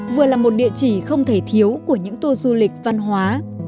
vừa là một địa chỉ không thể thiếu của những tour du lịch văn hóa